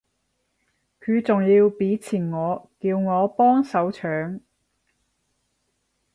佢仲要畀錢我叫我幫手搶